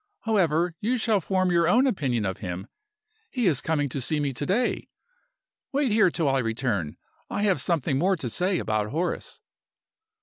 However, you shall form your own opinion of him; he is coming to see me to day. Wait here till I return; I have something more to say about Horace."